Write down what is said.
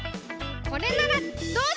これならどうだ！